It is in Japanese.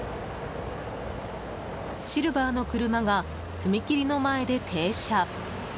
シルバーの車が踏切の前で停車。